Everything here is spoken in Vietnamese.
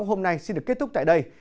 hôm nay xin được kết thúc tại đây